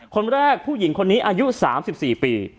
คนแรกผู้หญิงคนนี้อายุ๓๔ปี